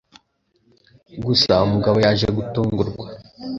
gusa umugabo yaje gutungurwa